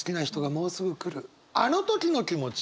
あの時の気持ち。